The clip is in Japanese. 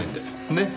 ねっ？